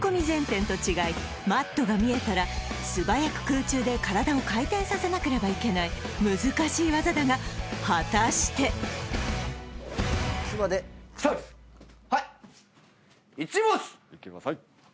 前転と違いマットが見えたら素早く空中で体を回転させなければいけない難しい技だが果たして際でそうですはい！